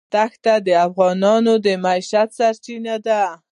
دښتې د افغانانو د معیشت سرچینه ده.